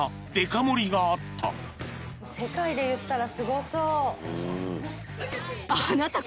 世界でいったらすごそう。